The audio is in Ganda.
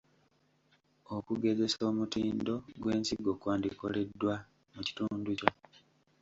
Okugezesa omutindo gw’ensigo kwandikoleddwa mu kitundu kyo.